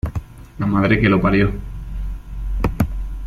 ¡La madre que lo parió!